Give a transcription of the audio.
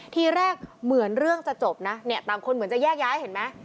ทีแรกเหมือนเรื่องจะจบนะเนี่ยต่างคนเหมือนจะแยกย้ายเห็นไหม